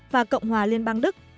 và cộng hòa liên bang đức